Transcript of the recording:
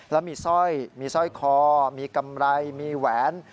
แล้วมีสร้อยมีสร้อยคอมีกำไรมีแหวน